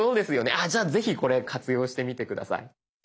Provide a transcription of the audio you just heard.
あじゃあぜひこれ活用してみて下さい。